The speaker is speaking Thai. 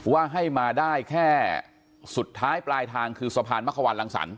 ว่าให้มาได้แค่สุดท้ายปลายทางคือสะพานมะควันรังสรรค